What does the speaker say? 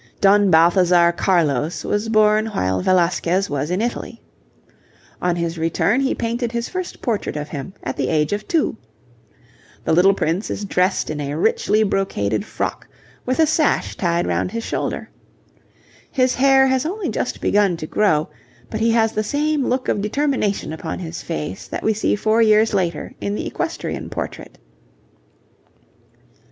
Don Balthazar Carlos was born while Velasquez was in Italy. On his return he painted his first portrait of him at the age of two. The little prince is dressed in a richly brocaded frock with a sash tied round his shoulder. His hair has only just begun to grow, but he has the same look of determination upon his face that we see four years later in the equestrian portrait.